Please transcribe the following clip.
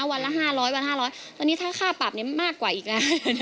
วันละ๕๐๐วัน๕๐๐ตอนนี้ถ้าค่าปรับนี้มากกว่าอีกแล้ว